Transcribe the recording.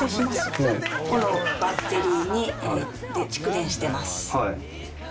このバッテリーに蓄電してます。